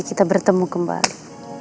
kita bertemu kembali